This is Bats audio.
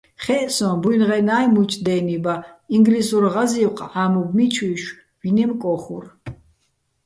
ხე́ჸ სოჼ, ბუჲნღენა́ჲ მუჲჩო̆ დე́ნი ბა, ინგლისურ ღაზი́ვხ ჺამობ მიჩუ́ჲშვ, ვინემ კო́ხურ.